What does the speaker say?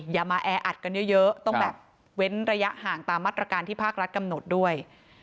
อย่ามาแออัดกันเยอะต้องแบบเว้นระยะห่างตามมาตรการที่ภาครัฐกำหนดด้วย